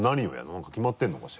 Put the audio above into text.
何か決まってるのかしら？